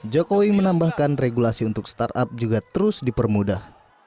jokowi menambahkan regulasi untuk startup juga terus dipermudah